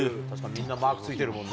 みんなマークついてるもんな。